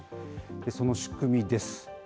その仕組みです。